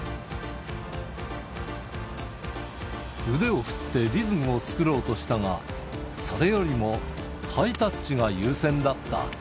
腕を振ってリズムを作ろうとしたが、それよりも、ハイタッチが優先だった。